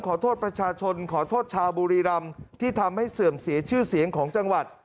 ขอโทษประชาชนขอโทษชาวบุรีรำที่ทำให้เสื่อมเสียชื่อเสียงของจังหวัด